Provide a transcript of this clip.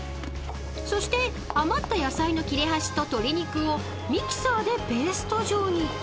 ［そして余った野菜の切れ端と鶏肉をミキサーでペースト状に］